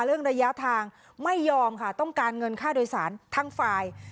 ระยะทางไม่ยอมค่ะต้องการเงินค่าโดยสารทั้งฝ่าย